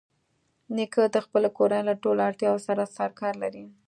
نیکه د خپلې کورنۍ له ټولو اړتیاوو سره سرکار لري.